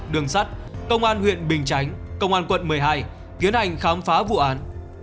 đường sắt công an huyện bình chánh công an quận một mươi hai tiến hành khám phá vụ án